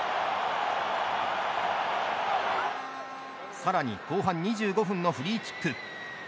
さらに後半２５分のフリーキック。